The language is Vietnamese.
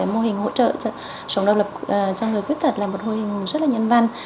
mô hình hỗ trợ sống độc lập cho người khuyết tật là một mô hình rất là nhân văn